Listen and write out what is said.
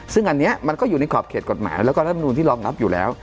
ซึ่งอันนี้มันก็อยู่ในขอบเขตกฎหมายแล้วก็รัฐมนูลที่รองรับอยู่แล้ว